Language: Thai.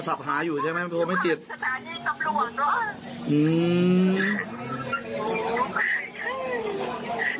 โทรศัพท์หาอยู่ใช่ไหมโทรไม่ติดสถานีตำรวจนะอืม